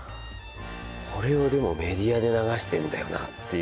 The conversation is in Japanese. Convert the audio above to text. これをでもメディアで流してんだよなっていう